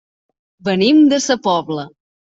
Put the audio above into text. Venim de sa Pobla.